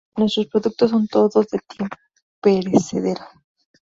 Nuestros productos son todos de tiempo perecedero.